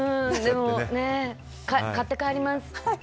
買って帰ります。